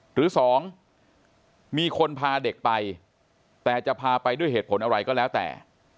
หรือสองมีคนพาเด็กไปแต่จะพาไปด้วยเหตุผลอะไรก็แล้วแต่